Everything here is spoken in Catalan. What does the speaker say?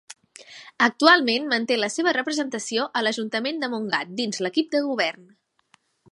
Actualment manté la seva representació a l'ajuntament de Montgat, dins l'equip de govern.